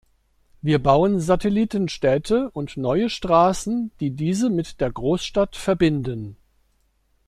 Wir bauen Satellitenstädte und neue Straßen, die diese mit der Großstadt verbinden.